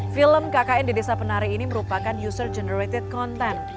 film kkn di desa penari ini merupakan user generated content